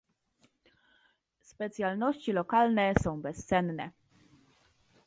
Specjalności lokalne są bezcenne